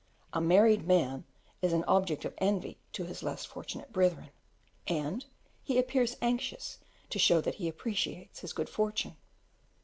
A married man is an object of envy to his less fortunate brethren, and he appears anxious to show that he appreciates his good fortune.